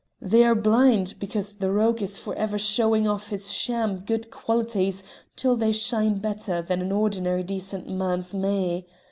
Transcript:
They're blind, because the rogue is for ever showing off his sham good qualities till they shine better than an ordinary decent man's may.